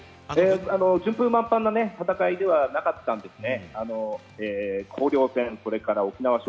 順風満帆な戦いではなかったんですね。